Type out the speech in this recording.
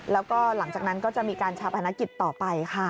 แล้วก็หลังจากนั้นก็จะมีการชาปนกิจต่อไปค่ะ